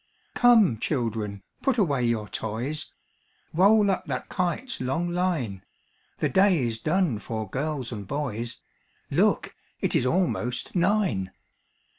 "Come, children, put away your toys; Roll up that kite's long line; The day is done for girls and boys Look, it is almost nine!